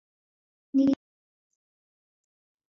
Niki kibaa disew'onie.